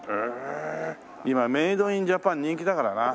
今メイド・イン・ジャパン人気だからな。